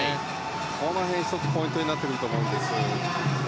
この辺が１つ、ポイントになってくると思うんです。